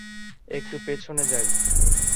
একটু পেছনে যাই।